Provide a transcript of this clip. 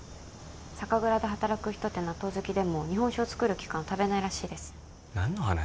酒蔵で働く人って納豆好きでも日本酒を造る期間食べないらしいです何の話？